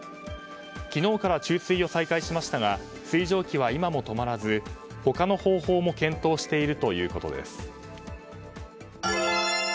昨日から注水を再開しましたが水蒸気は今も止まらず他の方法も検討しているということです。